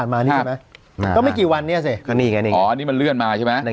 ก็ไม่กี่วันเนี่ยสิอันนี้มันเลื่อนมาใช่ไหม